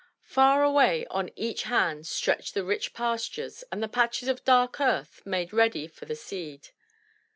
Far away on each hand stretch the rich pastures and the patches of dark earth made ready for the seed.